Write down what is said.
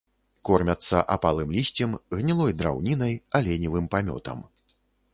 Кормяцца апалым лісцем, гнілой драўнінай, аленевым памётам.